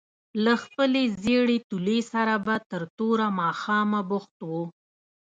له خپلې ژېړې تولۍ سره به تر توره ماښامه بوخت وو.